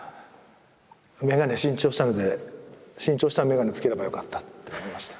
眼鏡新調したので新調した眼鏡つければよかったって思いました。